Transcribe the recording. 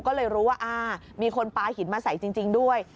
ก็เลยรู้ว่ามีคนปลาหินมาใส่จริงด้วย